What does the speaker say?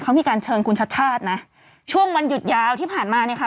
เขามีการเชิญคุณชัดชาตินะช่วงวันหยุดยาวที่ผ่านมาเนี่ยค่ะ